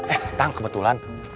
eh tang kebetulan